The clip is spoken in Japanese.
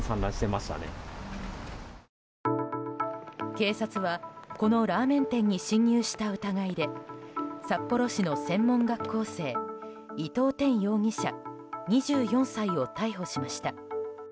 警察はこのラーメン店に侵入した疑いで札幌市の専門学校生伊藤天容疑者、２４歳を逮捕しました。